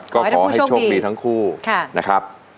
ก็ขอให้โชคดีทั้งคู่นะครับ